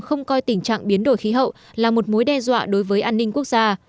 không coi tình trạng biến đổi khí hậu là một mối đe dọa đối với an ninh quốc gia